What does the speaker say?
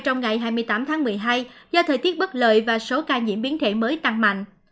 trong ngày hai mươi tám tháng một mươi hai do thời tiết bất lợi và số ca nhiễm biến thể mới tăng mạnh